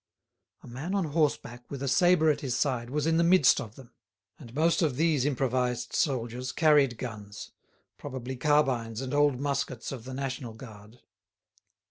A man on horseback, with a sabre at his side, was in the midst of them. And most of these improvised soldiers carried guns, probably carbines and old muskets of the National Guard.